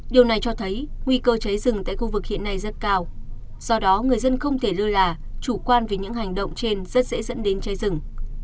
điều này cho thấy nguy cơ cháy rừng tại khu vực hiện nay rất cao do đó người dân không thể lơ là chủ quan vì những hành động trên rất dễ dẫn đến cháy rừng